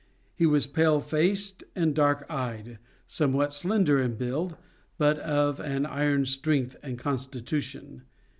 He was pale faced and dark eyed, somewhat slender in build, but of an iron strength and constitution.